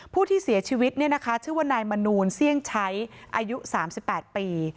ผู้ที่เสียชีวิตเนี่ยนะคะชื่อว่านายมนูนเสี่ยงใช้อายุสามสิบแปดปี